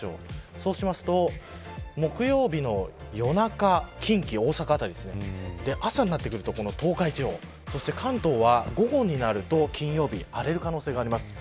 そうすると、木曜日の夜中近畿、大阪辺り朝になってると東海地方そして関東は午後になると金曜日荒れる可能性があります。